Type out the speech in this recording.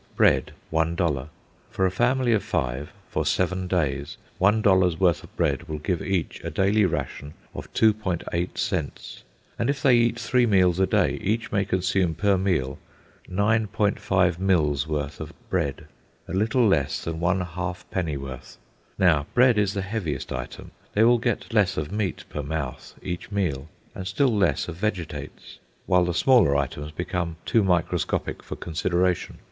Bread, $1: for a family of five, for seven days, one dollar's worth of bread will give each a daily ration of 2.8 cents; and if they eat three meals a day, each may consume per meal 9.5 mills' worth of bread, a little less than one halfpennyworth. Now bread is the heaviest item. They will get less of meat per mouth each meal, and still less of vegetables; while the smaller items become too microscopic for consideration.